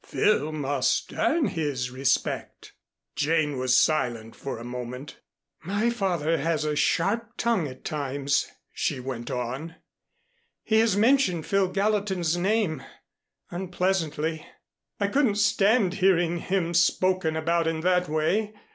"Phil must earn his respect." Jane was silent for a moment. "My father has a sharp tongue at times," she went on. "He has mentioned Phil Gallatin's name unpleasantly. I couldn't stand hearing him spoken about in that way.